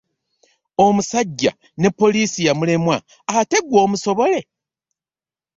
Omusajja ne poliisi yamulemwa ate ggwe omusobole!